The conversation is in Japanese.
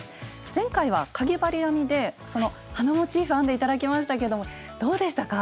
前回はかぎ針編みでその花モチーフ編んで頂きましたけどもどうでしたか？